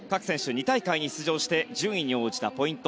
２大会に出場した順位に応じたポイント。